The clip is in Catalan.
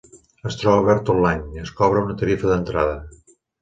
Es troba obert tot l'any, es cobra una tarifa d'entrada.